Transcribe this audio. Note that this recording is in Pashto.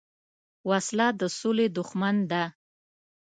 وسله د سولې دښمن ده